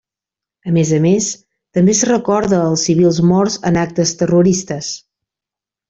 A més a més, també es recorda els civils morts en actes terroristes.